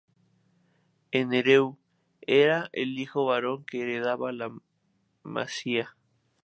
El "hereu" era el hijo varón que heredaba la masía.